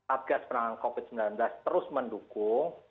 abgas penanganan covid sembilan belas terus mendukung